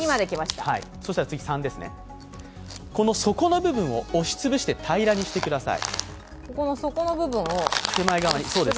この底の部分を押し潰して平らにしてください。